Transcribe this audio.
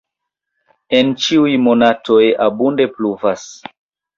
En ĉiuj monatoj abunde pluvas.